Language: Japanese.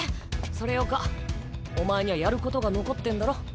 それよかお前にゃやることが残ってんだろ？